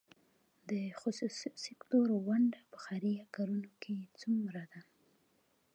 د خصوصي سکتور ونډه په خیریه کارونو کې څومره ده؟